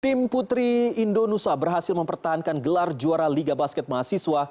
tim putri indonesia berhasil mempertahankan gelar juara liga basket mahasiswa